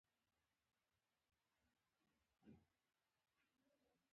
هغه د دریاب په بڼه د مینې سمبول جوړ کړ.